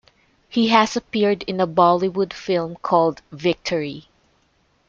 He has appeared in a Bollywood film called Victory.